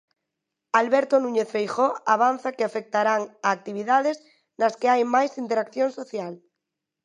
Alberto Núñez Feijóo avanza que afectarán a actividades nas que hai máis interacción social.